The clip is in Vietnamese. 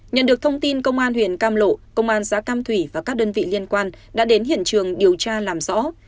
nhận được thông tin công an huyện cam lộ công an xã cam thủy và các đơn vị liên quan đã đến hiện trường điều tra làm rõ